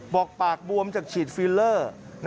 บอกปากบวมจากฉีดฟิลเลอร์